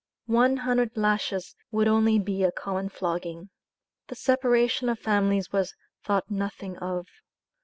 "One hundred lashes would only be a common flogging." The separation of families was thought nothing of.